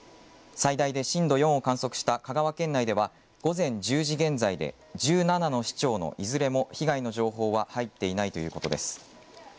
最大で震度４を観測した香川県内では午前１０時現在で１７の市町のいずれも被害の情報は入っていないということです。